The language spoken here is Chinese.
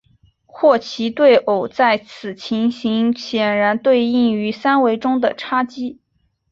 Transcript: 霍奇对偶在此情形显然对应于三维中的叉积。